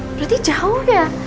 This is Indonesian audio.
berarti jauh ya